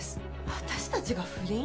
私たちが不倫？